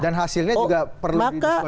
dan hasilnya juga perlu di diskualifikasi